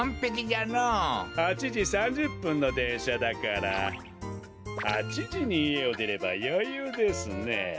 ８じ３０ぷんのでんしゃだから８じにいえをでればよゆうですね。